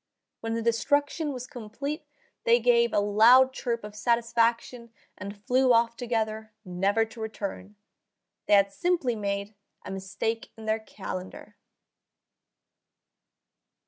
When the destruction was complete they gave a loud chirp of satisfaction and flew off together, never to return. They had simply made a mistake in their calendar.